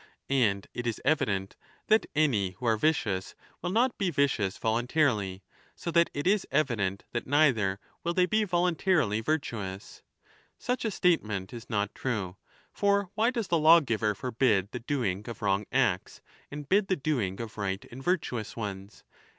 And it is evident that any who are vicious will not be vicious voluntarily; so that it is evident that neither will they be voluntarily virtuous ^. Such a statement is not true. For why does the lawgiver 15 forbid the doing of wrong acts, and bid the doing of right and virtuous ones